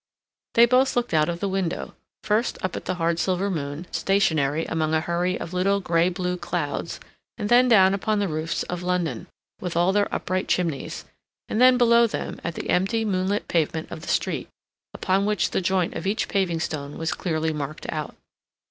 They both looked out of the window, first up at the hard silver moon, stationary among a hurry of little grey blue clouds, and then down upon the roofs of London, with all their upright chimneys, and then below them at the empty moonlit pavement of the street, upon which the joint of each paving stone was clearly marked out.